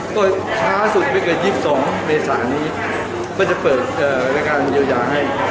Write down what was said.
ก็ช้าสุดไปกว่า๒๒เมษานี้ก็จะเปิดรายการอยู่อย่างให้